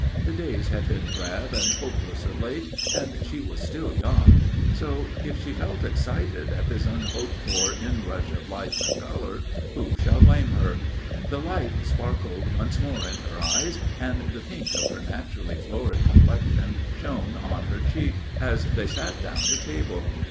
The days had been drab and hopeless of late and she was still young; so, if she felt excited at this unhoped for inrush of life and colour, who shall blame her? The light sparkled once more in her eyes and the pink of her naturally florid complexion shone on her cheek as they sat down to table.